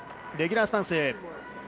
レギュラースタンス。